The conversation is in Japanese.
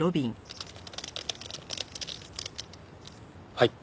はい。